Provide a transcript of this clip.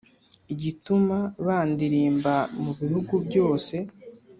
igituma bandirimba mu bihugu byose